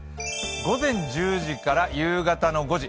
午前１０時から夕方の５時。